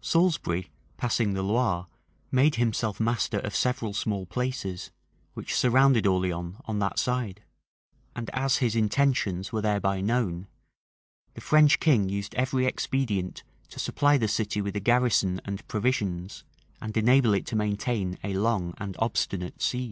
Salisbury, passing the Loire, made himself master of several small places, which surrounded Orleans on that side;[] and as his intentions were thereby known, the French king used every expedient to supply the city with a garrison and provisions, and enable it to maintain a long and obstinate siege.